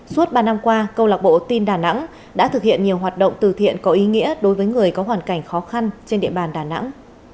suốt ba năm qua câu lạc bộ tem đà nẵng đã thực hiện nhiều hoạt động từ thiện có ý nghĩa đối với người có hoàn cảnh khó khăn trên địa bàn đà nẵng